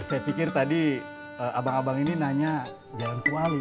saya pikir tadi abang abang ini nanya jalan kuali